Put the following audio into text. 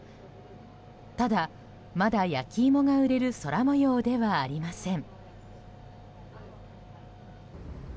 ただ、まだ焼き芋が売れる空模様ではありません。